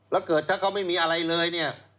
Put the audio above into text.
แล้วเกิดถ้าเขาไม่มีอะไรเลยเนี่ย